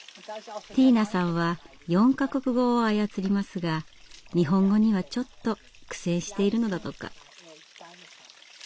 ティーナさんは４か国語を操りますが日本語にはちょっと苦戦しているのだとか。